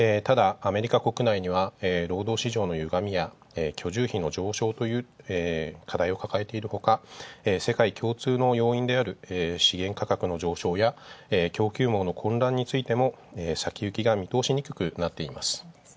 ただ、アメリカ国内では労働市場のゆがみや居住費の上昇という課題を抱えているほか、世界共通の要因である資源価格の上昇や供給網の混乱についても先行きが見通しにくくなっています。